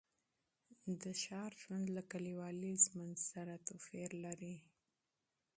د ښار ژوند له کلیوالي ژوند سره توپیر لري.